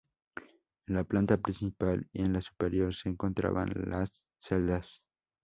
En la planta principal y en la superior se encontraban las celdas.